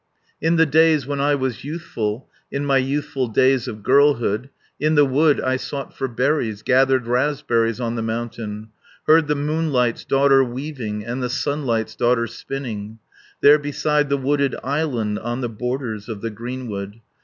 "In the days when I was youthful, In my youthful days of girlhood, In the wood I sought for berries, Gathered raspberries on the mountain, 140 Heard the moonlight's daughter weaving, And the sunlight's daughter spinning, There beside the wooded island, On the borders of the greenwood.